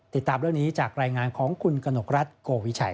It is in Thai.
ติดตามเรื่องนี้จากรายงานของคุณกนกรัฐโกวิชัย